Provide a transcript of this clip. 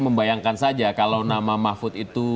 membayangkan saja kalau nama mahfud itu